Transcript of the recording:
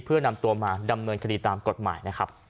เพื่อนำตัวมาดำเนินคดีตามกฎหมายนะครับ